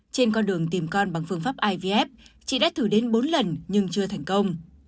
trên con đường tìm con bằng phương pháp ivf chị đã thử đến bốn lần nhưng chưa thành công